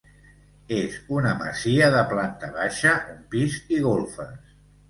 És una masia de planta baixa, un pis i golfes.